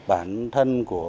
bản thân của